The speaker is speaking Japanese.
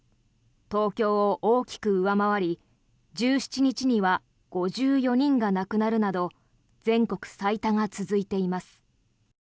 東京を大きく上回り１７日には５４人が亡くなるなど全国最多が続いています。